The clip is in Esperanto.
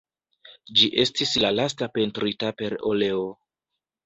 Ĝi estis la lasta pentrita per oleo.